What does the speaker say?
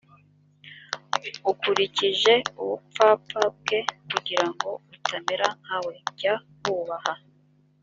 ukurikije ubupfapfa bwe kugira ngo utamera nka we jya wubaha